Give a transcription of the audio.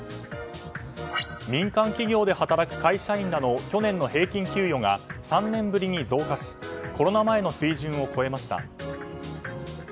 民間企業で働く会社員らの去年の平均給与が３年ぶりに増加しコロナ前の水準を超えました。